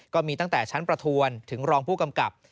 ก็มีตั้งแต่ชั้นประทวนถึงรองผู้กำกับ